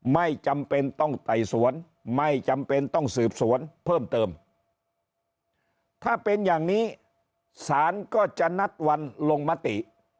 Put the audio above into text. ไม่จำเป็นต้องไต่สวนไม่จำเป็นต้องสืบสวนเพิ่มเติมถ้าเป็นอย่างนี้ศาลก็จะนัดวันลงมติ